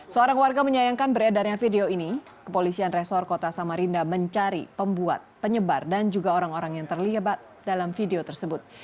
seorang warga menyayangkan beredarnya video ini kepolisian resor kota samarinda mencari pembuat penyebar dan juga orang orang yang terlibat dalam video tersebut